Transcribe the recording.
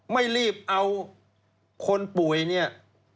ไม่รีบเอาคนป่วยเนี่ย